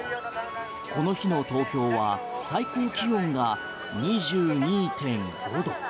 この日の東京は最高気温が２２．５度。